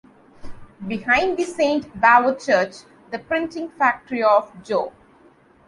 Behind the Saint Bavochurch the printing factory of Joh.